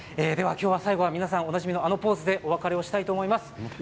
皆さんおなじみのあのポーズでお別れしたいと思います。